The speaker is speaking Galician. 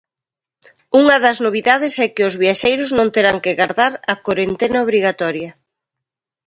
Unha das novidades é que os viaxeiros non terán que gardar a corentena obrigatoria.